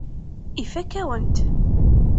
Ifakk-awen-t.